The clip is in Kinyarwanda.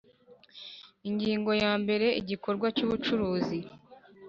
Ingingo ya mbere Igikorwa cy ubucuruzi